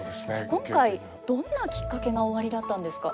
今回どんなきっかけがおありだったんですか？